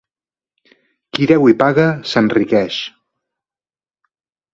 Qui deu i paga, s'enriqueix.